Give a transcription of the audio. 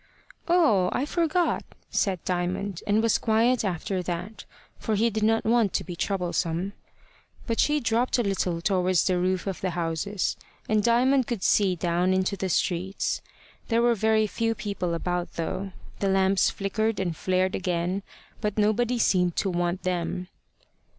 "Oh! I forgot," said Diamond, and was quiet after that, for he did not want to be troublesome. But she dropped a little towards the roofs of the houses, and Diamond could see down into the streets. There were very few people about, though. The lamps flickered and flared again, but nobody seemed to want them.